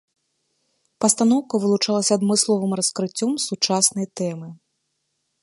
Пастаноўка вылучалася адмысловым раскрыццём сучаснай тэмы.